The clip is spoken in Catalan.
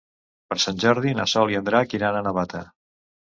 Per Sant Jordi na Sol i en Drac iran a Navata.